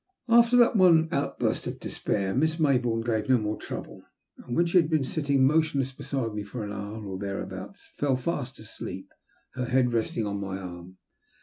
After that one outburst of despair Miss Maybourne gave no more trouble, and when she had been sitting motionless beside me for an hour or thereabouts fell fast asleep, her head resting on my arm.